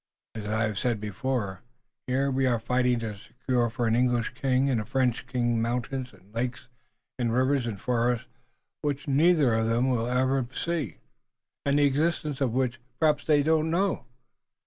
As I have said before, here we are fighting to secure for an English king or a French king mountains and lakes and rivers and forests which neither of them will ever see, and of the existence of which, perhaps, they don't know."